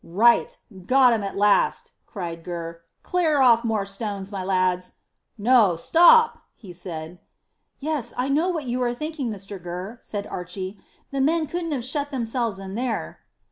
"Right! Got 'em at last," cried Gurr. "Clear off more stones, my lads. No; stop!" he said. "Yes, I know what you are thinking, Mr Gurr," said Archy. "The men couldn't have shut themselves in there."